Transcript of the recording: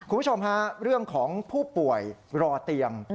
คุณผู้ชมฮะเรื่องของผู้ป่วยรอเตียง